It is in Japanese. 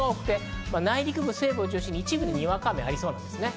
内陸部、西部を中心に、一部にわか雨がありそうです。